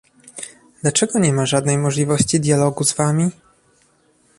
Dlaczego nie ma żadnej możliwości dialogu z wami?